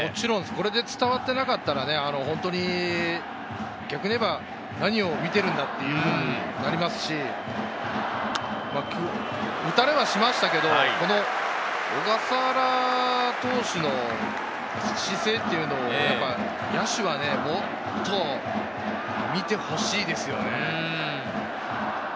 これで伝わっていなかったら、逆に言えば何を見てるんだっていうことになりますし、打たれはしましたけど、小笠原投手の姿勢というのを野手はもっと見てほしいですよね。